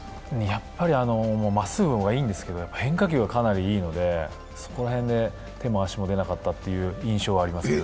やっぱりまっすぐの方がいいんですけど変化球がかなりいいので、そこら辺で手も足も出なかったという記憶がありますね。